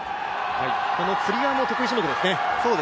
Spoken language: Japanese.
このつり輪も得意種目ですね。